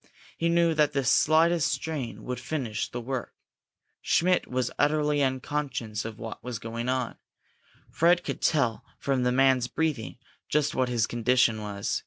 He knew that the slightest strain would finish the work. Schmidt was utterly unconscious of what was going on. Fred could tell, from the man's breathing, just what his condition was.